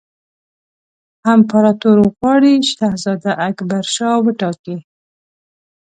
امپراطور غواړي شهزاده اکبرشاه وټاکي.